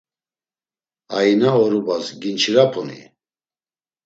Aina orubas ginçirapuni?